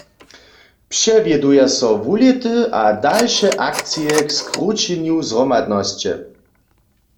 Přewjeduja so wulěty a dalše akcije k skrućenju zhromadnosće.